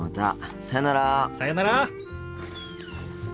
さよなら。